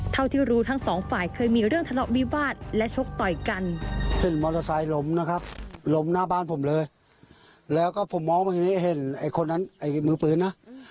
เท่าที่รู้ทั้งสองฝ่ายเคยมีเรื่องทะเลาะวิวาดและชกต่อยกัน